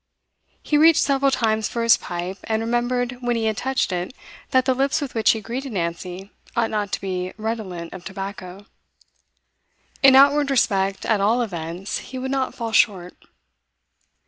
He reached several times for his pipe, and remembered when he had touched it that the lips with which he greeted Nancy ought not to be redolent of tobacco. In outward respect, at all events, he would not fall short.